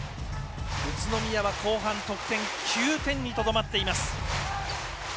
宇都宮は後半得点、９点にとどまっています。